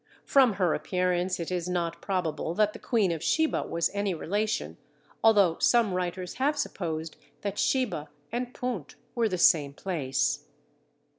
From her appearance it is not probable that the Queen of Sheba was any relation, although some writers have supposed that Sheba and Punt were the same place.